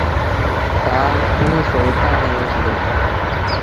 سآل اُڻيٚه سو ايڪآنوي هُݩدو۔